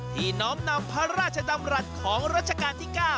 น้อมนำพระราชดำรัฐของรัชกาลที่๙